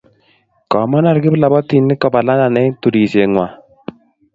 komonor kipllobotinik kobak Londan eng turishe ngwang.